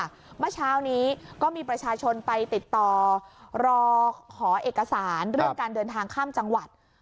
เมื่อเช้านี้ก็มีประชาชนไปติดต่อรอขอเอกสารเรื่องการเดินทางข้ามจังหวัด